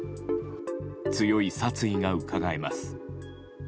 強い殺意がうかがえます。